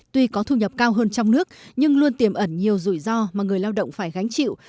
tuy có thu nhập cao hơn trong nước nhưng luôn tiềm ẩn nhiều rủi ro mà người lao động phải gánh chịu